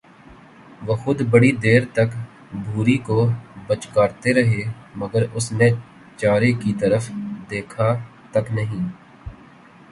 وہ خود بڑی دیر تک بھوری کو پچکارتے رہے، مگر اس نے چارے کی طرف دیکھا تک نہیں۔